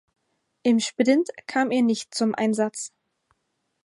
Im Sprint kam er nicht zum Einsatz.